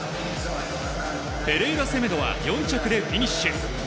ペレイラセメドは４着でフィニッシュ。